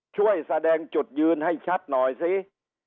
ช่วยแสดงจุดยืนให้ชัดหน่อยสิ